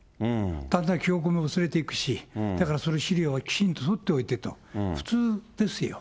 だんだん記憶も薄れていくし、だからそれは、資料はきちんと取っておいてと、普通ですよ。